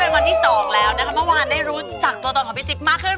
เป็นวันที่๒แล้วนะคะเมื่อวานได้รู้จักตัวตนของพี่จิ๊บมากขึ้น